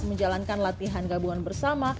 menjalankan latihan gabungan bersama